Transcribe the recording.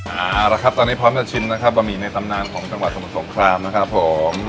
เอาล่ะครับตอนนี้พร้อมจะชิมบะหมี่ในตำนานของสมุทรสงครามนะครับ